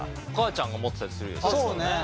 お母ちゃんが持ってたりするよね。